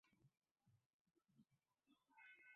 কিন্তু বেদ তো এ-কথা বলিতেছেন না।